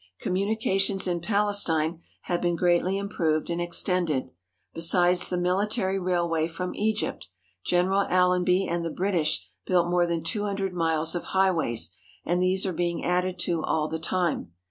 Communications in Palestine have been greatly im proved and extended. Besides the military railway from Egypt, General Allenby and the British built more than two hundred miles of highways, and these are being added to all the time.